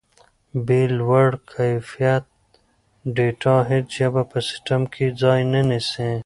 بې له لوړ کیفیت ډیټا هیڅ ژبه په سیسټم کې ځای نه نیسي.